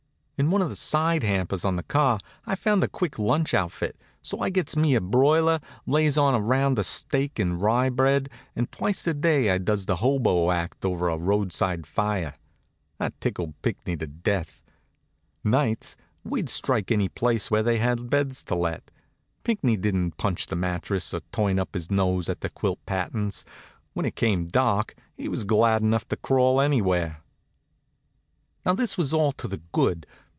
In one of the side hampers on the car I found a quick lunch outfit, so I gets me a broiler, lays in round steak and rye bread, and twice a day I does the hobo act over a roadside fire. That tickled Pinckney to death. Nights we'd strike any place where they had beds to let. Pinckney didn't punch the mattress or turn up his nose at the quilt patterns. When it came dark he was glad enough to crawl anywhere. Now this was all to the good.